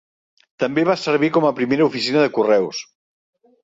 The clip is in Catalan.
També va servir com a primera oficina de correus.